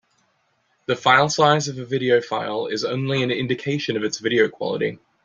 The filesize of a video file is only an indication of its video quality.